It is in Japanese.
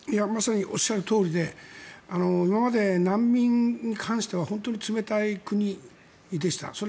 まさにおっしゃるとおりで今まで難民に関しては本当に冷たい国でした。